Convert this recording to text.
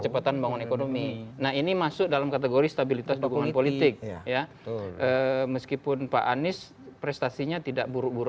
apalagi melihat komposisi kabinet yang baru